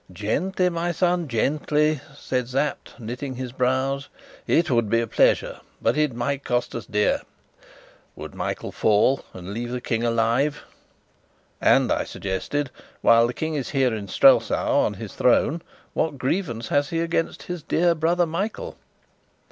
"Gently, my son, gently," said Sapt, knitting his brows. "It would be a pleasure, but it might cost us dear. Would Michael fall and leave the King alive?" "And," I suggested, "while the King is here in Strelsau, on his throne, what grievance has he against his dear brother Michael?"